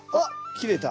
切れた。